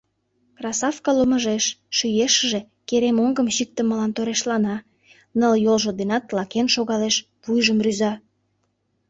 Красавка ломыжеш, шӱешыже керем оҥгым чиктымылан торешлана: ныл йолжо денат лакен шогалеш, вуйжым рӱза.